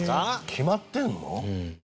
決まってるの？